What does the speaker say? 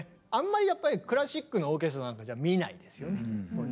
あんまりやっぱりクラシックのオーケストラなんかじゃ見ないですよね。